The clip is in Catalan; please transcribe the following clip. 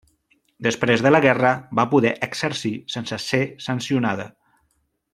Després de la guerra va poder exercir sense ser sancionada.